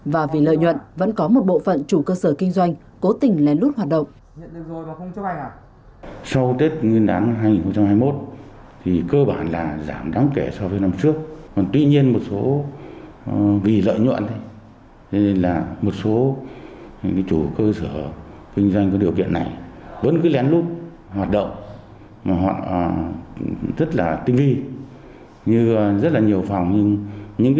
và vì lợi nhuận vẫn có một bộ phận chủ cơ sở kinh doanh cố tình lén lút hoạt động